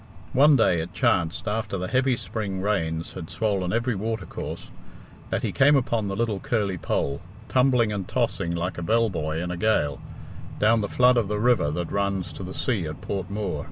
One day it chanced, after the heavy spring rains had swollen every watercourse, that he came upon the little curly poll, tumbling and tossing like a bell buoy in a gale, down the flood of the river that runs to the sea at Port Mooar.